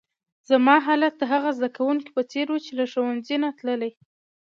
زما حالت د هغه زده کونکي په څېر وو، چي له ښوونځۍ نه تللی.